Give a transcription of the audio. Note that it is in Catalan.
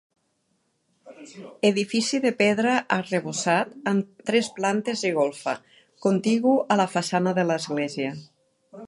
Edifici de pedra arrebossat amb tres plantes i golfa, contigu a la façana de l'església.